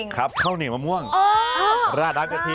ครับข้าวหนี่มะม่วงราดน้ำกะทิ